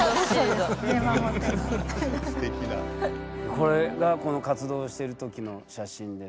これがこの活動してるときの写真ですね。